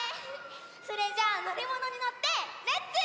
それじゃあのりものにのってレッツ。